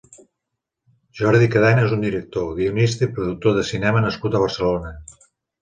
Jordi Cadena és un director, guionista i productor de cinema nascut a Barcelona.